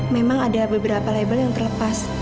memang ada beberapa label yang terlepas